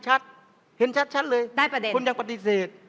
เห็นชัดเลยคุณยังปฏิเสธ